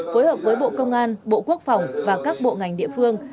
phối hợp với bộ công an bộ quốc phòng và các bộ ngành địa phương